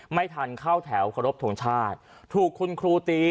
ไม่ทันเข้าแถวเคารพทงชาติถูกคุณครูตี